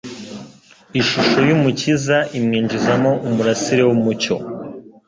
ishusho y'Umukiza imwinjizamo umurasire w'umucyo.